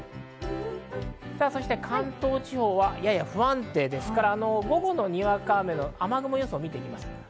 関東地方はやや不安定ですから午後のにわか雨の雨雲予想です。